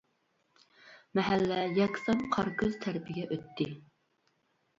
مەھەللە يەكسان قارا كۆز تەرىپىگە ئۆتتى.